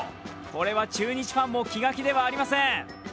これは中日ファンも気が気ではありません。